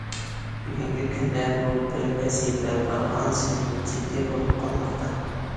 بۈگۈنكى كۈندە بۇ بىر ۋەزىپە بارغانسېرى جىددىي بولۇپ قالماقتا.